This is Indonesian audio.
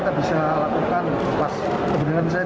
dengan pakaian reja reja pinggung rakyat